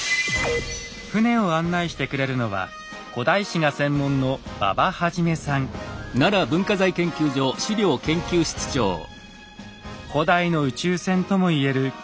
船を案内してくれるのは古代史が専門の古代の宇宙船とも言える遣唐使船。